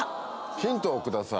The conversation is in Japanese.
ヒントをください。